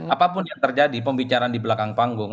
apapun yang terjadi pembicaraan di belakang panggung